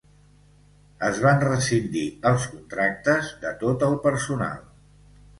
Es van rescindir els contractes de tot el personal.